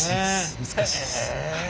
難しいです。